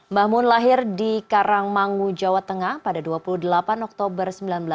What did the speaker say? mbah mun lahir di karangmangu jawa tengah pada dua puluh delapan oktober seribu sembilan ratus empat puluh